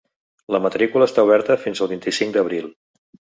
La matrícula està oberta fins al vint-i-cinc d’abril.